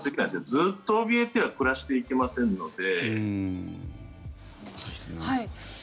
ずっとおびえては暮らしていけませんので。